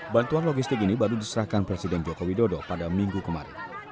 bantuan logistik ini baru diserahkan presiden joko widodo pada minggu kemarin